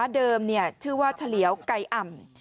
เดิมชื่อว่าเฉลียวไก่อ่ำ